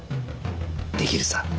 できるさ。